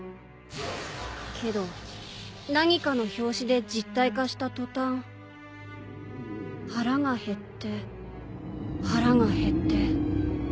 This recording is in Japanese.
けど何かの拍子で実体化したとたん腹が減って腹が減って。